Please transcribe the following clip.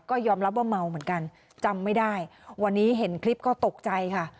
ก็ยอมรับว่าเมาเหมือนกันจำไม่ได้วันนี้เห็นคลิปก็ตกใจค่ะ